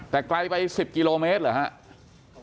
แต่ไกลไป๑๐กิโลเมตรเหรอครับ